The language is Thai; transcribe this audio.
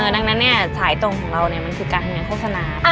ดังนั้นเนี่ยสายดรมของเราเนี่ยมันคือการทำเองโฆษณา